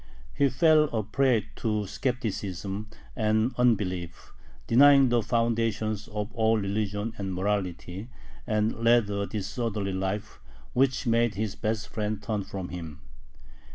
He fell a prey to skepticism and unbelief, denying the foundations of all religion and morality, and led a disorderly life, which made his best friends turn from him.